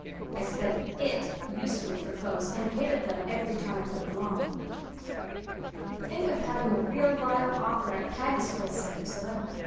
I spent it usefully for clothes and hated them every time I put them on." "Think of having a real live author at Patty's Place," said Priscilla.